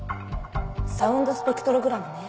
サウンドスペクトログラムね。